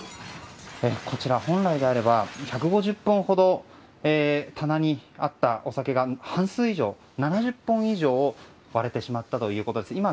こちら、本来であれば１５０本ほど棚にあったお酒が半数以上７０本以上割れてしまったということです。